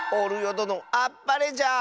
どのあっぱれじゃ！